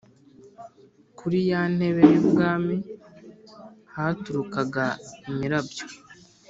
Kuri ya ntebe y ubwami haturukaga imirabyo